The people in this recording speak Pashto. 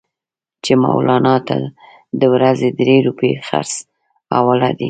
چې مولنا ته د ورځې درې روپۍ خرڅ حواله دي.